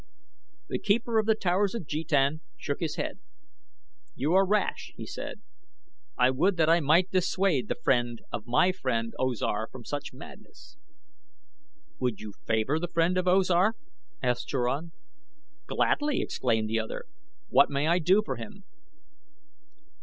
The keeper of The Towers of Jetan shook his head. "You are rash," he said. "I would that I might dissuade the friend of my friend O Zar from such madness." "Would you favor the friend of O Zar?" asked Turan. "Gladly!" exclaimed the other. "What may I do for him?"